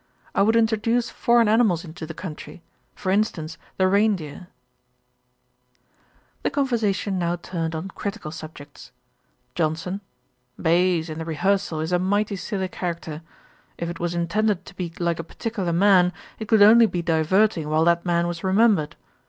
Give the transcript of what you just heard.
I would introduce foreign animals into the country; for instance the reindeer.' The conversation now turned on critical subjects. JOHNSON. 'Bayes, in The Rehearsal, is a mighty silly character. If it was intended to be like a particular man, it could only be diverting while that man was remembered.